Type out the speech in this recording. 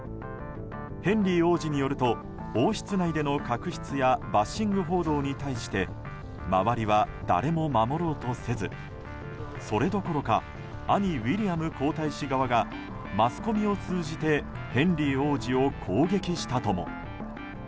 ヘンリー王子によると王室内での確執やバッシング報道に対して周りは誰も守ろうとせずそれどころか兄ウィリアム皇太子側がマスコミを通じてヘンリー王子を攻撃したとも。